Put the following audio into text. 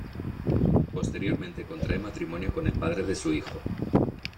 Posteriormente contrae matrimonio con el padre de su hijo.